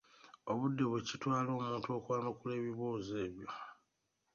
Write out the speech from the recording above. obudde bwe kitwala omuntu okwanukula ebibuuzo ebyo.